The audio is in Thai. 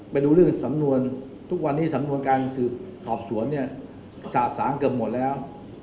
ไปดูเรื่องสำนวนทุกวันนี้สำนวนการสืบสอบสวนเนี่ยจ่าสารเกือบหมดแล้ว